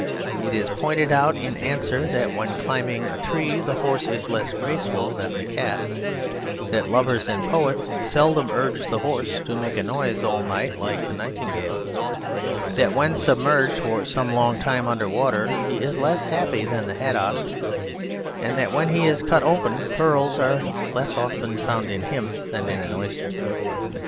It is pointed out in answer that when climbing a tree the horse is less graceful than the cat; that lovers and poets seldom urge the horse to make a noise all night like the nightingale; that when submerged for some long time under water, he is less happy than the haddock; and that when he is cut open pearls are less often found in him than in an oyster.